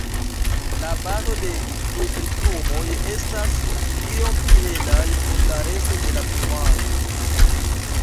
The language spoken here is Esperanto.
La bazo de flugilplumoj estas iom pli helaj ol la resto de la plumaro.